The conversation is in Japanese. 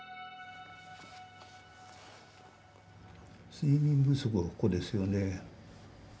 睡眠不足はここですよね。